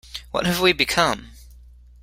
What have we become?